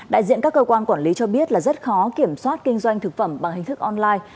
đại diện các cơ quan quản lý cho biết là rất khó kiểm soát kinh doanh thực phẩm bằng hình thức online